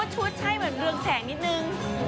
ชุดใช่เหมือนเรืองแสงนิดนึง